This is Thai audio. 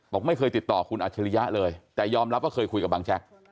บอกไม่เคยติดต่อคุณอัจฉริยะเลยแต่ยอมรับว่าเคยคุยกับบังแจ๊ก